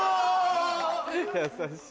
優しい。